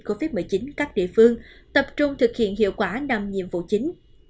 covid một mươi chín các địa phương tập trung thực hiện hiệu quả năm nhiệm vụ chính